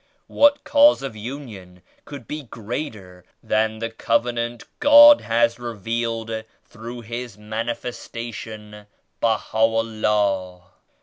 What cause of union could be greater than the Covenant God has re vealed through His Manifestation Baha'u^ LLAH?